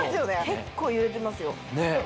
結構揺れてますよ。ねぇ。